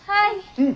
うん。